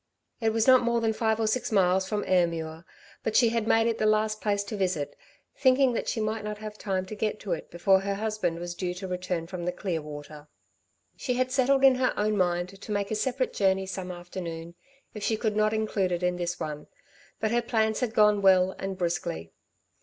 It was not more than five or six miles from Ayrmuir, but she had made it the last place to visit, thinking that she might not have time to get to it before her husband was due to return from the Clearwater. She had settled in her own mind to make a separate journey some afternoon if she could not include it in this one. But her plans had gone well and briskly.